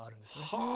はあ。